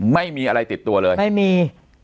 ไม่มีอะไรติดตัวเลยไม่มี